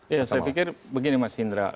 ya saya pikir begini mas indra